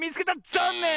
ざんねん！